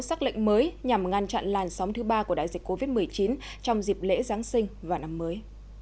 xác lệnh mới nhằm ngăn chặn làn sóng thứ ba của đại dịch covid một mươi chín trong dịp lễ giáng sinh và năm mới